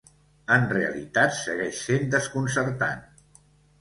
En realitat, segueix sent desconcertant.